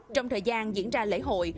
trong thời gian diễn ra lễ hội